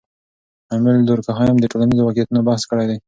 امیل دورکهایم د ټولنیزو واقعیتونو بحث کړی دی.